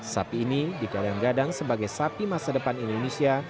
sapi ini digadang gadang sebagai sapi masa depan indonesia